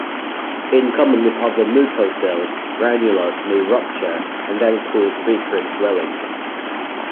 In common with other mucoceles, ranulas may rupture and then cause recurrent swelling.